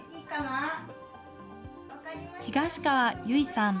東川結さん。